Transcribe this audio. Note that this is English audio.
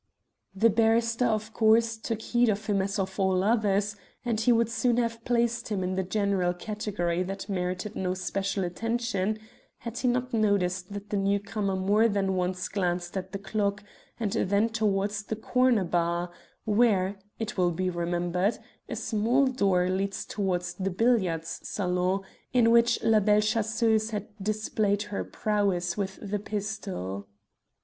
The barrister, of course, took heed of him as of all others, and he would soon have placed him in the general category that merited no special attention had he not noticed that the newcomer more than once glanced at the clock and then towards the corner bar, whence, it will be remembered, a small door led towards the billiard saloon in which La Belle Chasseuse had displayed her prowess with the pistol.